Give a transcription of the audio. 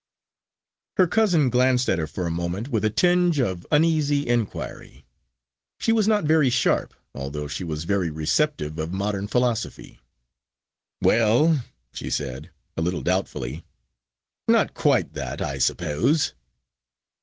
Her cousin glanced at her for a moment with a tinge of uneasy inquiry. She was not very sharp, although she was very receptive of modern philosophy. "Well," she said, a little doubtfully, "not quite that, I suppose."